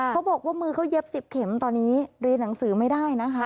เขาบอกว่ามือเขาเย็บ๑๐เข็มตอนนี้เรียนหนังสือไม่ได้นะคะ